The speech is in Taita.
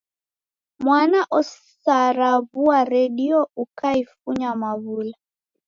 Mwana osaraw'ua redio ukaifunya maw'ula!